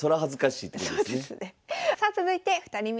さあ続いて２人目です。